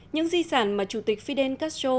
những di sản mà chủ tịch fidel castro